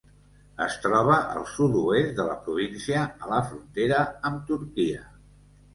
Es troba al sud-oest de la província, a la frontera amb Turquia.